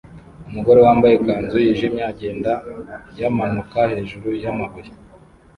Umugore wambaye ikanzu yijimye agenda yamanuka hejuru yamabuye